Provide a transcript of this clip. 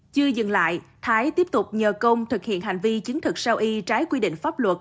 chưa dừng lại thái tiếp tục nhờ công thực hiện hành vi chứng thực sao y trái quy định pháp luật